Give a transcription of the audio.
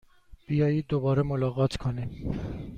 بیایید دوباره ملاقات کنیم!